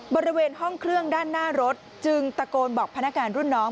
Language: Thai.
บริเวณห้องเครื่องด้านหน้ารถจึงตะโกนบอกพนักงานรุ่นน้อง